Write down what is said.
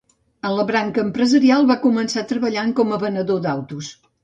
En la branca empresarial, va començar treballant com a venedor d'autos.